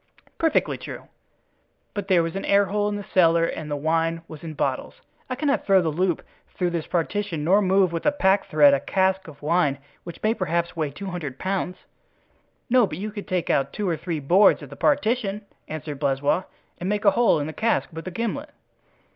"Perfectly true; but there was an airhole in the cellar and the wine was in bottles. I cannot throw the loop through this partition nor move with a pack thread a cask of wine which may perhaps weigh two hundred pounds." "No, but you can take out two or three boards of the partition," answered Blaisois, "and make a hole in the cask with a gimlet."